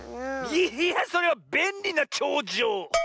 いやそれは「べんりなちょうじょう」！